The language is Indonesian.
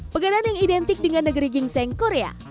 peganan yang identik dengan negeri gingseng korea